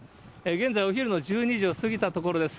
現在、お昼の１２時を過ぎたところです。